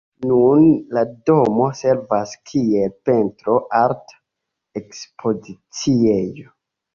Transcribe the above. Nun la domo servas kiel pentro-arta ekspoziciejo.